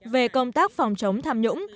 về công tác phòng chống tham nhũng